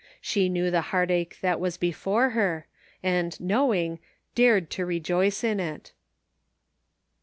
She knew the heartache that was before her, and knowing, dared to rejoice in it.